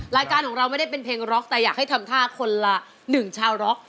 รายการของเราไม่ได้เป็นเพลงร็อกแต่อยากให้ทำท่าคนละหนึ่งชาวร็อก